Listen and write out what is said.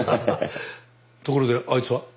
ところであいつは？